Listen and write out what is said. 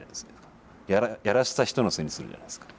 やらせた人のせいにするじゃないですか。